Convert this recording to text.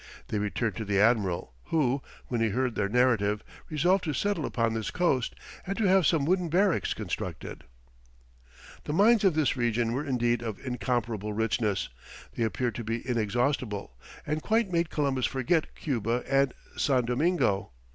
They returned to the admiral, who, when he heard their narrative, resolved to settle upon this coast, and to have some wooden barracks constructed. [Illustration: Gold mines in Cuba. From an old print.] The mines of this region were indeed of incomparable richness; they appeared to be inexhaustible, and quite made Columbus forget Cuba and San Domingo.